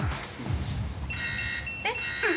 えっ？